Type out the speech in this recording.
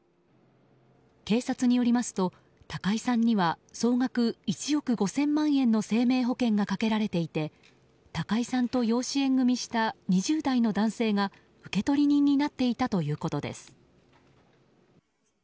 警察によりますと、高井さんには総額１億５０００万円の生命保険がかけられていて高井さんと養子縁組した２０代の男性が受け取り人になっていたということです。